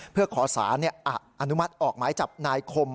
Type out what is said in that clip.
เพื่อขอสารอนุมัติออกหมายจับนายคม